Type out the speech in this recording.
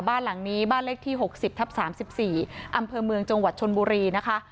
บ้านหลังนี้บ้านเลขที่๖๐ทับ๓๔อำเภอเมืองจังหวัดชนบุรีนะคะ